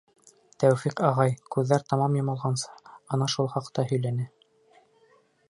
Тәүфиҡ ағай, күҙҙәр тамам йомолғансы, ана шул хаҡта һөйләне.